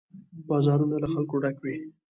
بازارونه له خلکو ډک وي.